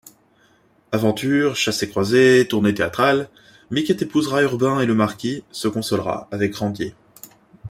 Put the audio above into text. Aventure, chassés-croisés, tournées théâtrales... Miquette épousera Urbain et le marquis se consolera avec Grandier.